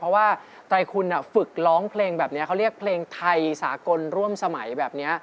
เพราะว่าไตรคุณฝึกร้องเพลงแบบนี้เขาเรียกเพลงไทยสากลร่วมสมัยแบบนี้